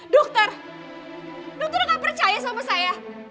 dokter dokter tidak percaya sama saya